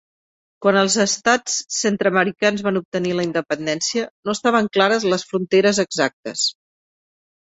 Quan els estats centreamericans van obtenir la independència, no estaven clares les fronteres exactes.